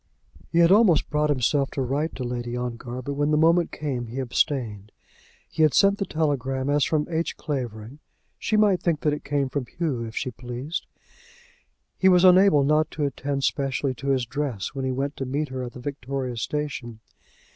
He had almost brought himself to write to Lady Ongar, but when the moment came he abstained. He had sent the telegram as from H. Clavering. She might think that it came from Hugh if she pleased. He was unable not to attend specially to his dress when he went to meet her at the Victoria Station.